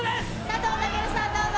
佐藤健さん